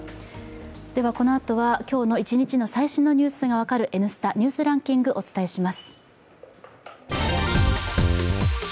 このあとは今日の一日の最新ニュースが分かる「Ｎスタ・ニュースランキング」をお伝えします。